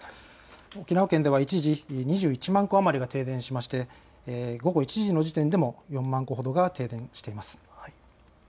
沖縄県では一時、２１万戸余りが停電し午後１時の時点でも４万戸ほどが停電しています。